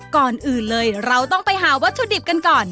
ก่อนอื่นเลยเราต้องไปหาวัตถุดิบกันก่อน